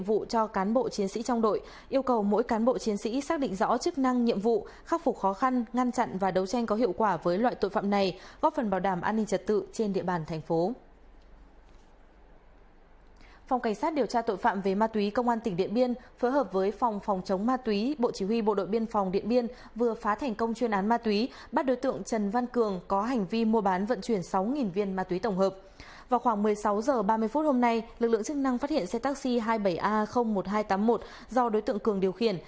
vào khoảng một mươi sáu h ba mươi phút hôm nay lực lượng chức năng phát hiện xe taxi hai mươi bảy a một nghìn hai trăm tám mươi một do đối tượng cường điều khiển